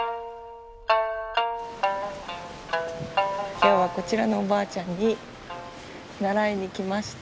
今日はこちらのおばあちゃんに習いに来ました。